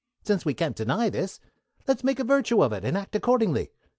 Since we can't deny this, let's make a virtue of it, and act accordingly.